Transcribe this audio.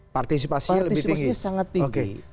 partisipasinya lebih tinggi